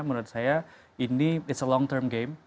menurut saya ini it's a long term game